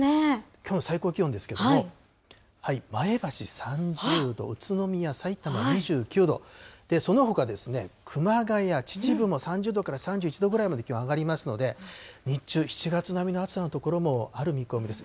きょうの最高気温ですけれども、前橋３０度、宇都宮、さいたま２９度、そのほかですね、熊谷、秩父も３０度から３１度くらいまで気温上がりますので、日中、７月並みの暑さの所もある見込みです。